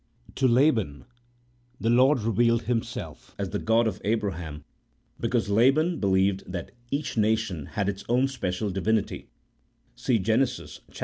To Laban the Lord revealed Himself as the God of Abraham, because Laban believed that each nation had its own special divinity (see Gen. xxxi.